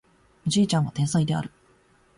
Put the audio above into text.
おじいちゃんは天才である